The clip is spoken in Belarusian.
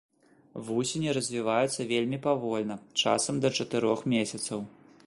Вусені развіваюцца вельмі павольна, часам да чатырох месяцаў.